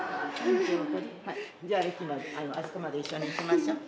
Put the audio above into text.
じゃああそこまで一緒に行きましょう。